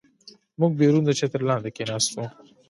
موږ بیرون د چتر لاندې کېناستو.